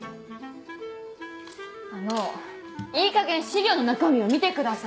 あのいいかげん資料の中身を見てください。